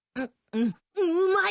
うまい！